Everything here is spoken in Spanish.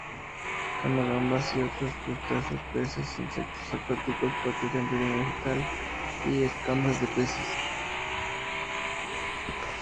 Come gambas y otros crustáceos, peces, insectos acuáticos, materia vegetal y escamas de peces.